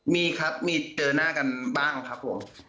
มีครับมีเจอหน้ากันบ้างครับผม